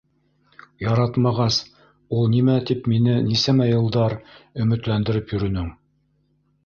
Яратмағас, ул нимә тип мине нисәмә йылдар өмөтләндереп йөрөнөң?!